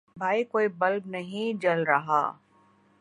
بھائی کوئی بلب نہیں جل رہا